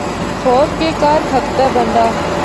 ہور کے کر ہکدے بندہ۔